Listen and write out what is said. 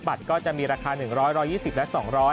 บัตรก็จะมีราคา๑๐๐๑๒๐และ๒๐๐